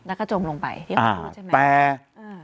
แล้วก็จมลงไปที่ห้องใช่ไหม